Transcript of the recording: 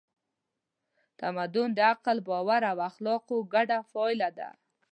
تمدن د عقل، باور او اخلاقو ګډه پایله ده.